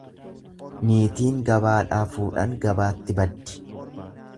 Niitiin gabaadhaa fuudhan gabaatti baddi.